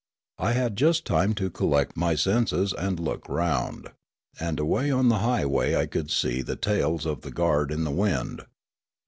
I had just time to collect my senses and look round ; and away on the highway I could see the tails of the guard in the wind.